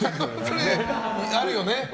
それ、あるよね。